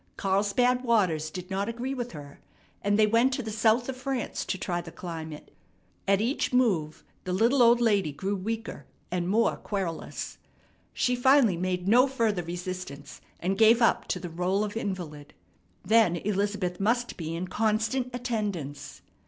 Carlsbad waters did not agree with her, and they went to the south of France to try the climate. At each move the little old lady grew weaker and more querulous. She finally made no further resistance, and gave up to the rôle of invalid. Then Elizabeth must be in constant attendance.